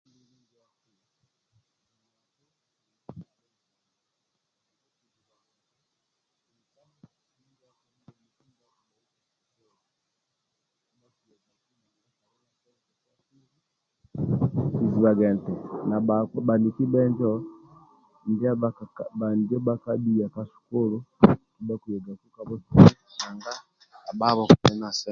Kibhugiaga eti na bhakpa bhaniki bhenjo ijo bhakabhia ya ka sukulu nanga bha ababho bhakali na sente